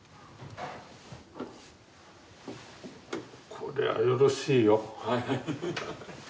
これはよろしいよ。